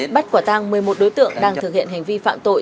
bắt quả tăng một mươi một đối tượng đang thực hiện hành vi phạm tội